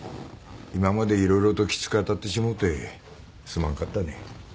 今まで色々ときつく当たってしもうてすまんかったね。